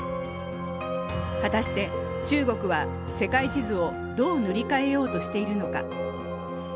果たして、中国は世界地図をどう塗り替えようとしているのか。